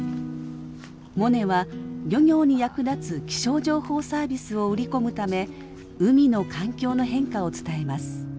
モネは漁業に役立つ気象情報サービスを売り込むため海の環境の変化を伝えます。